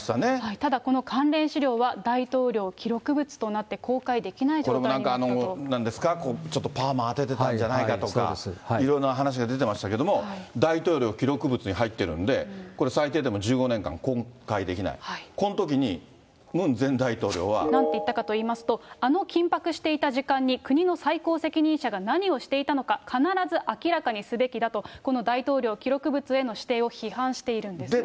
ただこの関連資料は大統領記録物となって公開できない状態になっこれもなんか、なんですか、ちょっとパーマ当ててたんじゃないかとか、いろいろな話が出てましたけれども、大統領記録物に入ってるんで、これ、最低でも１５年間公開できない。なんて言ったかといいますと、あの緊迫していた時間に、国の最高責任者が何をしていたのか、必ず明らかにすべきだと、この大統領記録物への指定を批判しているんですよね。